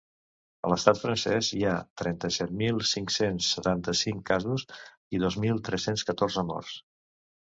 A l’estat francès hi ha trenta-set mil cinc-cents setanta-cinc casos i dos mil tres-cents catorze morts.